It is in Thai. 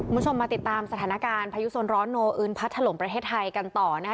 คุณผู้ชมมาติดตามสถานการณ์พายุโซนร้อนโนอึนพัดถล่มประเทศไทยกันต่อนะคะ